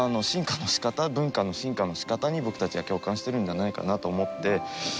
文化の進化の仕方に僕たちは共感してるんじゃないかなと思って。